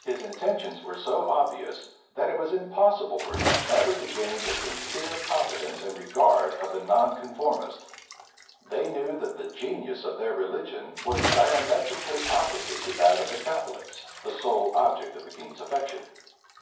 His intentions were so obvious, that it was impossible for him ever to gain the sincere confidence and regard of the nonconformists. They knew that the genius of their religion was diametrically opposite to that of the Catholics, the sole object of the king's affection.